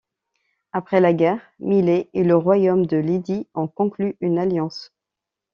Après la guerre, Milet et le royaume de Lydie ont conclu une alliance.